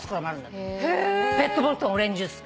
ペットボトルのオレンジジュース。